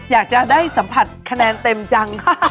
อยากได้สัมผัสขนาดเต็มจัง